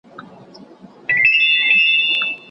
د استادانو لارښوونه تر یوازي کار کولو غوره ده.